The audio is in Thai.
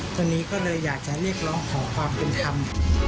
คนนี้ก็เลยอยากจะเรียกร้องขอความเป็นธรรม